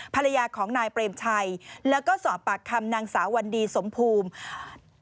ภรรยาของนายเปรมชัยแล้วก็สอบปากคำนางสาววันดีสมภูมิ